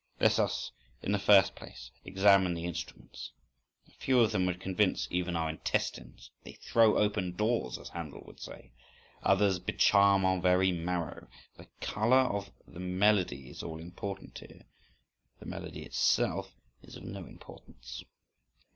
Let us, in the first place, examine the instruments. A few of them would convince even our intestines (—they throw open doors, as Handel would say), others becharm our very marrow. The colour of the melody is all important here, the melody itself is of no importance.